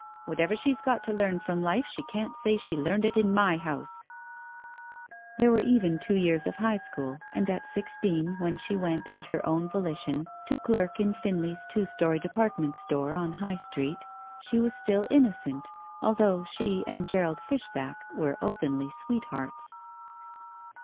Whatever she's got to learn from life, she can't say she learned it in my house/' There were even two years of high school, and at sixteen, when she went, at her own volition, to derk in Pinley's two story department store on High Street, she was still innocent, although she and Gerald Pishback were openly sweethearts.